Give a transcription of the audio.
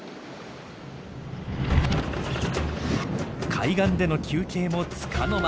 海岸での休憩もつかの間。